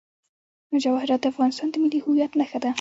جواهرات د افغانستان د ملي هویت نښه ده.